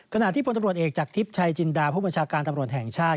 ขณะที่พลตำรวจเอกจากทิพย์ชัยจินดาผู้บัญชาการตำรวจแห่งชาติ